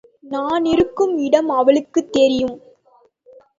நான் இருக்கும் இடம் அவளுக்குத் தெரியும்.